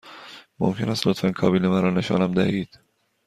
ممکن است لطفاً کابین مرا نشانم دهید؟